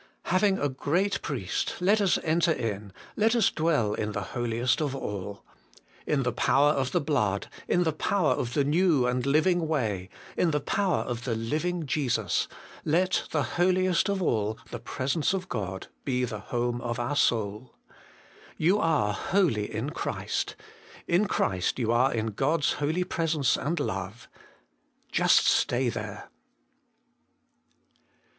Having a Great Priest, let us enter in, let us dwell in the Holiest of all. In the power of the blood, in the power of the new and living way, in the power of the Living Jesus, let the Holiest of all, the Presence of God, be the home of our soul. You are ' Holy in Christ ;' in Christ you are in God's Holy Presence and Love ; just stay there.